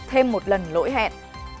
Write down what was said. thêm một lần lỗi hẹn